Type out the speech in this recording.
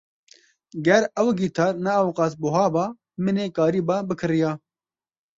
Ger ew gîtar ne ew qas buha ba, min ê karîba bikiriya.